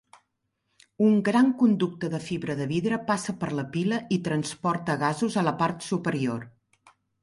Un gran conducte de fibra de vidre passa per la pila i transporta gasos a la part superior.